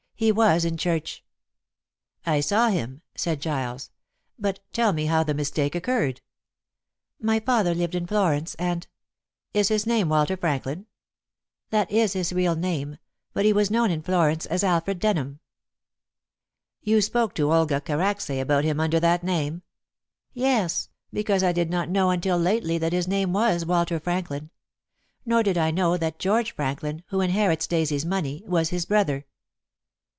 He was in church." "I saw him," said Giles; "but tell me how the mistake occurred." "My father lived in Florence, and " "Is his name Walter Franklin?" "That is his real name; but he was known in Florence as Alfred Denham." "You spoke to Olga Karacsay about him under that name?" "Yes, because I did not know until lately that his name was Walter Franklin. Nor did I know that George Franklin, who inherits Daisy's money, was his brother."